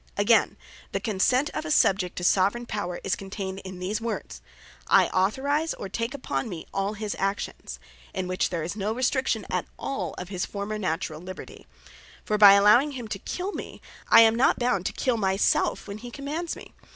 Again, the Consent of a Subject to Soveraign Power, is contained in these words, "I Authorise, or take upon me, all his actions;" in which there is no restriction at all, of his own former naturall Liberty: For by allowing him to Kill Me, I am not bound to Kill my selfe when he commands me.